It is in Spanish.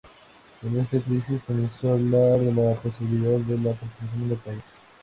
Con esta crisis se comenzó hablar de la posibilidad de la partición del país.